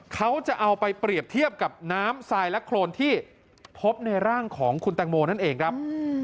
เขาจะเอาไปเปรียบเทียบกับน้ำทรายและโครนที่พบในร่างของคุณแตงโมนั่นเองครับ